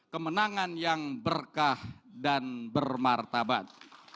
kemenangan yang berkah dan bermartabat